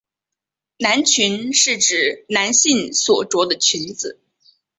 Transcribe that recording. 男裙是指男性所着的裙子。